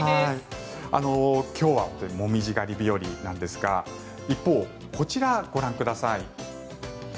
今日はモミジ狩り日和なんですが一方、こちらご覧ください。